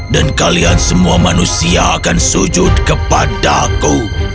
dan kalian semua manusia akan sujud kepadaku